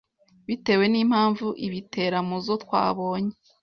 bitewe n’impamvu ibitera muzo twabonye